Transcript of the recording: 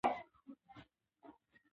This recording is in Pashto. سیدکرم ولسوالۍ کې د کرومایټ کان موجود ده